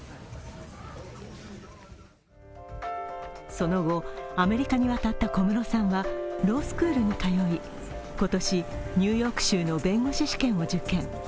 その後、アメリカに渡った小室さんはロースクールに通い、今年、ニューヨーク州の弁護士試験を受験。